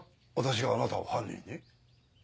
私があなたを犯人に？